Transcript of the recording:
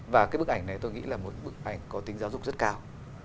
và cái bức ảnh này tôi nghĩ là một bức ảnh có tính giáo dục rất cao